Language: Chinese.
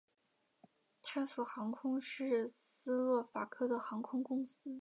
探索航空是斯洛伐克的航空公司。